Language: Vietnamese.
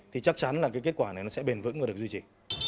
thì chắc chắn là cái kết quả này nó sẽ bền vững và được duy trì